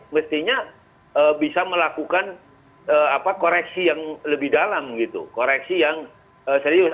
mestinya bisa melakukan koreksi yang lebih dalam gitu koreksi yang serius